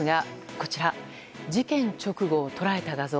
こちら、事件直後を捉えた画像。